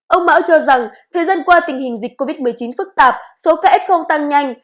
ông mão cho rằng thời gian qua tình hình dịch covid một mươi chín phức tạp số ca f tăng nhanh